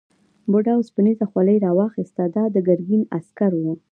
بوډا اوسپنيزه خولۍ واخیسته دا د ګرګین عسکرو ده.